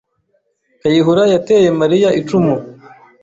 Kayihura yateye Mariya icumu.